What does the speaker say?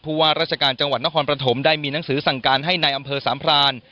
ว่าราชการจังหวัดนครปฐมได้มีหนังสือสั่งการให้ในอำเภอสามพราน